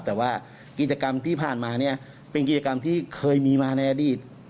แต่ว่ากิจกรรมที่ผ่านมาเนี่ยเป็นกิจกรรมที่เคยมีมาในอดีต